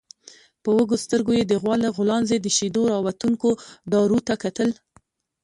په وږو سترګويې د غوا له غولانځې د شيدو راوتونکو دارو ته کتل.